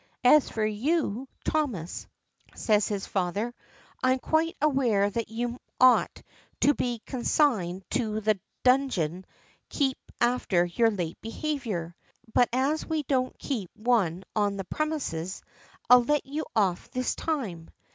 "As for you, Thomas," says his father, "I'm quite aware that you ought to be consigned to the Donjon keep after your late behavior, but as we don't keep one on the premises, I let you off this time.